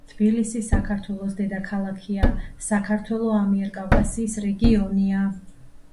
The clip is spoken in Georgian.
თბილისი საქართველოს დედაქალაქია.საქართველო ამიერკავკასიის რეგიონია.